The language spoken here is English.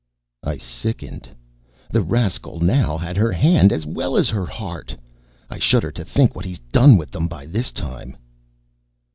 _ I sickened. The rascal now had her hand, as well as her heart. I shudder to think what he's done with them, by this time.